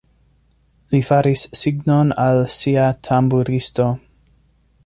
Li faris signon al sia tamburisto.